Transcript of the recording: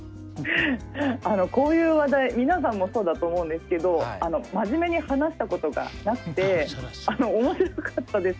こういう話題皆さんもそうだと思うんですけど真面目に話したことがなくて面白かったです。